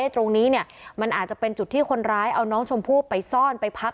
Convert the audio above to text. ตรงนี้มันอาจจะเป็นจุดที่คนร้ายเอาน้องชมพู่ไปซ่อนไปพัก